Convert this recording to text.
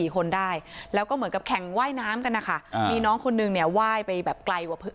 คนได้แล้วก็เหมือนกับแข่งว่ายน้ำกันนะคะมีน้องคนนึงเนี่ยไหว้ไปแบบไกลกว่าพื้น